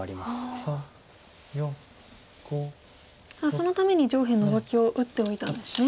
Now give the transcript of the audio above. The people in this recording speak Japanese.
そのために上辺ノゾキを打っておいたんですね。